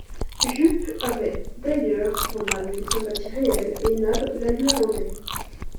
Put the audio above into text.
Jup avait, d’ailleurs, pour Nab une sympathie réelle, et Nab la lui rendait